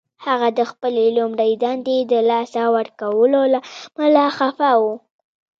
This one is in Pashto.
هغه د خپلې لومړۍ دندې د لاسه ورکولو له امله خفه و